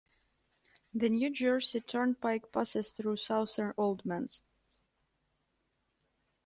The New Jersey Turnpike passes through southern Oldmans.